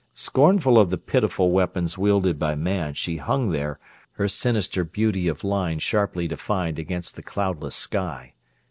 Scornful of the pitiful weapons wielded by man she hung there, her sinister beauty of line sharply defined against the cloudless sky.